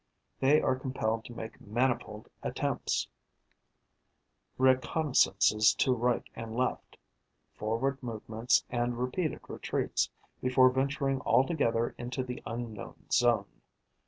They are compelled to make manifold attempts, reconnaissances to right and left, forward movements and repeated retreats, before venturing altogether into the unknown zone.